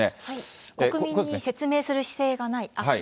国民に説明する姿勢がない。